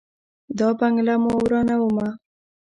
دا بنګله مو ورانومه.